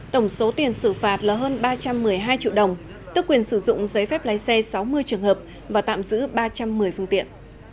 tổng số tiền xử phạt là hơn ba trăm một mươi hai triệu đồng tức quyền sử dụng giấy phép lái xe sáu mươi trường hợp và tạm giữ ba trăm một mươi phương tiện